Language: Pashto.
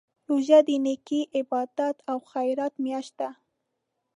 روژه د نېکۍ، عبادت او خیرات میاشت ده.